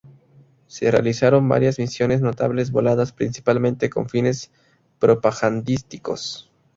Se realizaron varias misiones notables voladas principalmente con fines propagandísticos.